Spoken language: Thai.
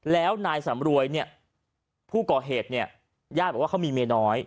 แล้วนายสำรวยเนี่ยผู้ก่อเหตุเนี่ยญาติบอกว่าเขามีเมียน้อย